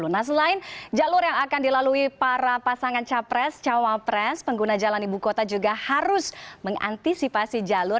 nah selain jalur yang akan dilalui para pasangan capres cawapres pengguna jalan ibu kota juga harus mengantisipasi jalur